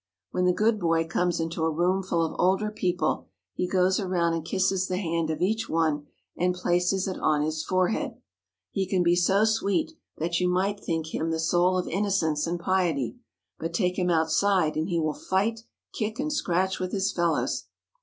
When the good boy comes into a room full of older people he goes around and kisses the hand of each one and places it on his forehead. He can be so sweet that you might think him the soul of innocence and piety, but take him outside and he will fight, kick, and scratch with his fellows.